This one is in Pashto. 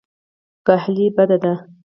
کاهلي بد دی.